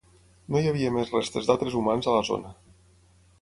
No hi havia més restes d'altres humans a la zona.